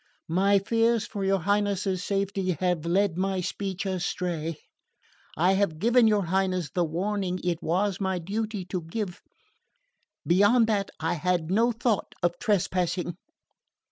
"My fears for your Highness's safety have led my speech astray. I have given your Highness the warning it was my duty to give. Beyond that I had no thought of trespassing."